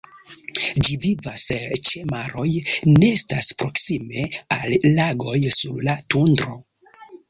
Ĝi vivas ĉe maroj, nestas proksime al lagoj, sur la tundro.